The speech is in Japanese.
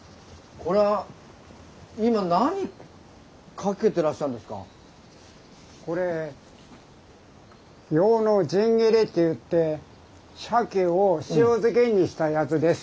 これ「鮭の新切り」といってシャケを塩漬けにしたやつです。